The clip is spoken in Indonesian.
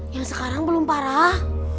yang sekarang belum parah